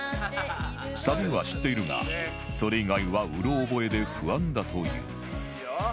サビは知っているがそれ以外はうろ覚えで不安だという